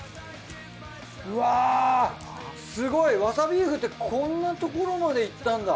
うわぁすごい！わさビーフってこんなところまでいったんだ。